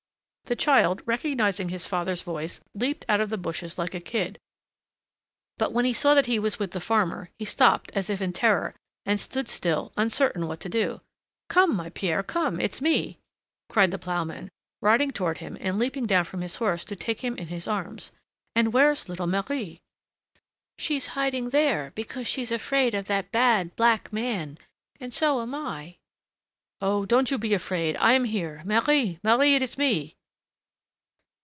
The child, recognizing his father's voice, leaped out of the bushes like a kid, but when he saw that he was with the farmer, he stopped as if in terror, and stood still, uncertain what to do. "Come, my Pierre, come, it's me!" cried the ploughman, riding toward him and leaping down from his horse to take him in his arms: "and where's little Marie?" "She's hiding there, because she's afraid of that bad black man, and so am I." "Oh! don't you be afraid; I am here Marie! Marie! it's me!"